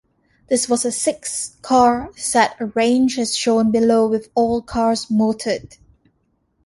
This was a six-car set arranged as shown below with all cars motored.